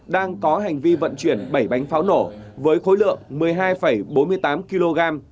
đang có hành vi vận chuyển bảy bánh pháo nổ với khối lượng một mươi hai bốn mươi tám kg